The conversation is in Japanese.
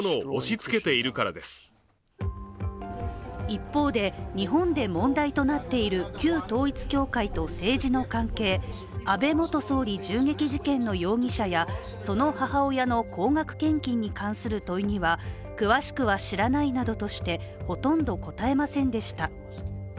一方で、日本で問題となっている旧統一教会と政治の関係、安倍元総理銃撃事件の容疑者やその母親の高額献金に関する問いには詳しくは知らないなどとしてほとんど答えませんでした。